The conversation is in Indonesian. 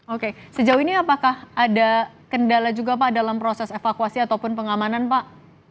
oke sejauh ini apakah ada kendala juga pak dalam proses evakuasi ataupun pengamanan pak